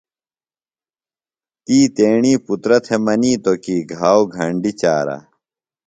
تی تیݨی پُترہ تھےۡ منِیتوۡ کی گھاؤ گھنڈیۡ چارہ۔